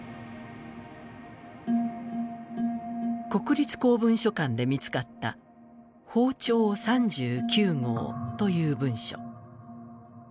国立公文書館で見つかった法調３９号という文書。